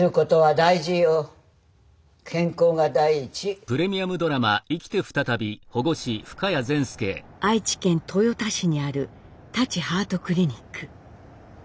愛知県豊田市にある舘ハートクリニック。